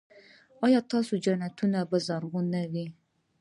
ایا ستاسو جنتونه به زرغون نه وي؟